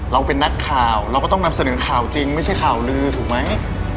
เราเป็นนักข่าวเราก็ต้องนำเสนอข่าวจริงไม่ใช่ข่าวลือถูกไหม